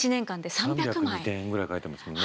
３０２点ぐらい描いてましたもんね。